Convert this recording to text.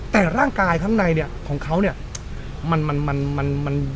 แต่ร่างกายข้างในเนี่ยของเขาเนี่ยมันมัน